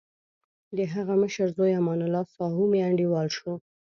دهغه مشر زوی امان الله ساهو مې انډیوال شو.